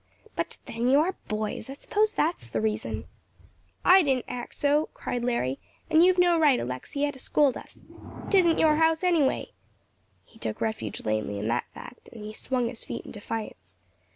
But then, you are boys. I suppose that's the reason." "I didn't act so," cried Larry, "and you've no right, Alexia, to scold us. 'Tisn't your house, anyway," he took refuge lamely in that fact, and he swung his feet in defiance.